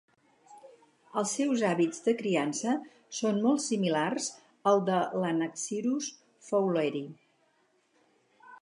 Els seus hàbits de criança són molt similars als de "Anaxyrus fowleri".